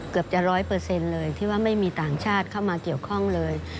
เกือบจะร้อยเปอร์เซ็นต์เลยที่ว่าไม่มีต่างชาติเข้ามาเกี่ยวข้องเลย